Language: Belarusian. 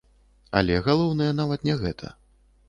Але галоўнае нават не гэта.